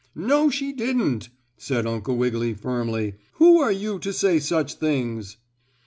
"No, she didn't," said Uncle Wiggily, firmly. "Who are you to say such things?"